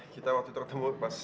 kita waktu tertemu pas